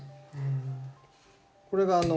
これがあの。